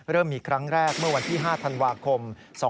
เริ่มมีครั้งแรกเมื่อวันที่๕ธันวาคม๒๕๖